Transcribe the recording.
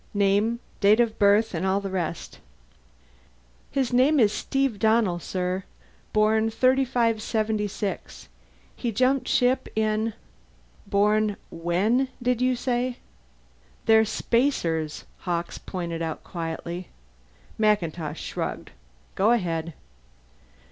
Name, date of birth, and all the rest." "His name is Steve Donnell, sir. Born 3576. He jumped ship in " "Born when, did you say?" "They're spacers," Hawkes pointed out quietly. MacIntosh shrugged. "Go ahead."